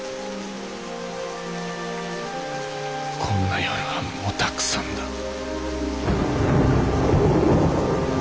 こんな夜はもうたくさんだ。